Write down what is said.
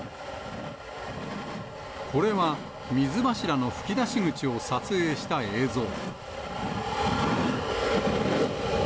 これは、水柱の噴き出し口を撮影した映像。